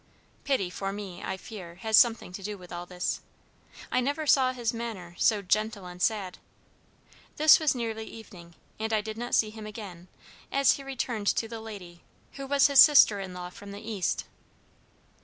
Pity for me, I fear, has something to do with all this. I never saw his manner so gentle and sad. This was nearly evening, and I did not see him again, as he returned to the lady, who was his sister in law from the East.